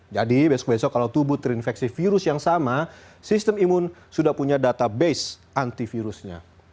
jadi besok besok kalau tubuh terinfeksi virus yang sama sistem imun sudah punya database antivirusnya